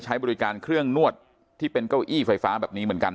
ใช้บริการเครื่องนวดที่เป็นเก้าอี้ไฟฟ้าแบบนี้เหมือนกัน